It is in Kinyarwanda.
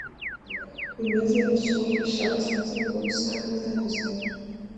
Bimeze bityo umwigisha wese inzego rusange z inguzanyo